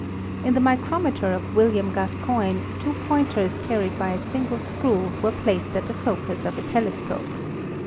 In the microme ter of William Gascoigne two pointers carried by a single screw were placed at the focus of a telescope.